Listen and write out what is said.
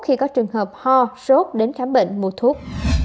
khi có trường hợp ho sốt đến khám bệnh mua thuốc